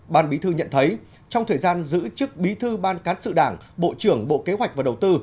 ban bí thư nhận thấy trong thời gian giữ chức bí thư ban cán sự đảng bộ trưởng bộ kế hoạch và đầu tư